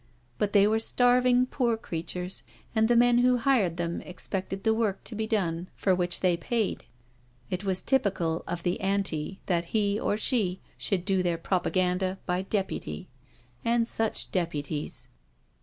But they were starving, poor creatures, and the men who hired them expected the work to be done 326 NO SURRENDER for which they paid. It was typical of the " Ami " that he, or she, should do their propaganda by deputy, and such deputies.